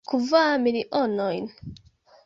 Kvar milionojn.